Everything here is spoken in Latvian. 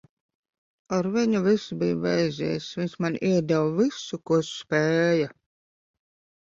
Ar viņu viss bija beidzies. Viņš man iedeva visu, ko spēja.